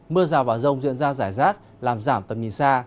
mưa rào và rông diễn ra rải rác làm giảm tầm nhìn xa